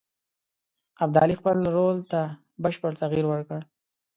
ابدالي خپل رول ته بشپړ تغییر ورکړ.